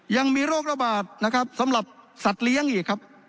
ยังมีโรคระบาดนะครับสำหรับสัตว์เลี้ยงอีกครับ